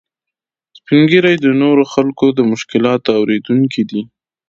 سپین ږیری د نورو خلکو د مشکلاتو اورېدونکي دي